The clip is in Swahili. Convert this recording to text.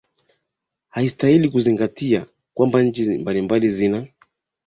haistahili ukizingatia kwamba nchi mbalimbali zina